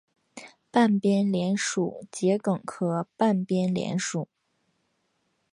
半边莲属桔梗科半边莲属。